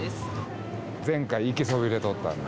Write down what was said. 前回行きそびれとったんで。